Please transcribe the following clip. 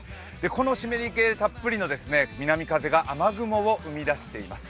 この湿り気たっぷりの南風が雨雲を生み出しています。